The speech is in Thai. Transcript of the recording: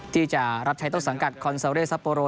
ที่จะรับไทท์โต๊ะสังกัดคอนเซลเลสซาโปโร